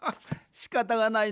しかたがないのう。